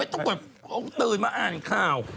ต้องแบบตื่นมาอ่านข่าว